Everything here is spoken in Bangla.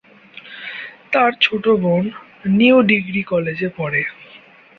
তার ছোট বোন নিউ ডিগ্রি কলেজে পড়ে।